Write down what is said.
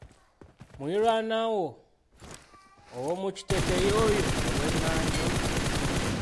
Muliranwawo owomukitete ye oyo ow'emmanju